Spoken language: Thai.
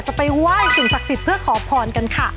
จะไปไหว้สิ่งศักดิ์สิทธิ์เพื่อขอพรกันค่ะ